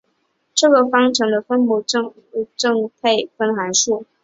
这个方程中的分母称为正则配分函数。